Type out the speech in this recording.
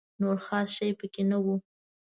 نور خاص شی په کې نه و.